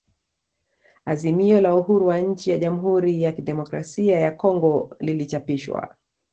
Azimio la uhuru wa nchi ya Jamhuri ya kidemokrasia ya Kongo lilichapishwa